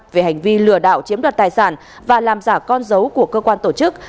về hành vi lừa đảo chiếm đoạt tài sản và làm giả con dấu của cơ quan tổ chức